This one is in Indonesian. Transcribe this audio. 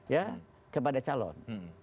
ya kepada calon